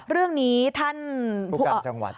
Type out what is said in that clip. เรื่องนี้ท่านผู้การจังหวัด